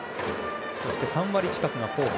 そして３割近くがフォーク。